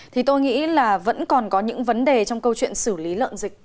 thì tôi nghĩ là vẫn còn có những vấn đề trong câu chuyện xử lý lợn dịch